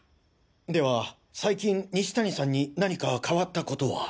では最近西谷さんに何か変わったことは？